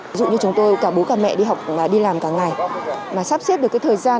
ví dụ như chúng tôi cả bố cả mẹ đi học và đi làm cả ngày mà sắp xếp được cái thời gian